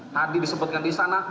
tadi disebutkan di sana